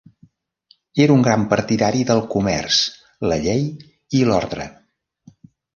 Era un gran partidari del comerç, la llei i l'ordre.